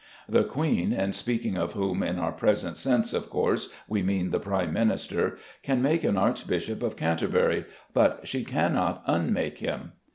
The Queen, in speaking of whom in our present sense of course we mean the Prime Minister, can make an Archbishop of Canterbury; but she cannot unmake him.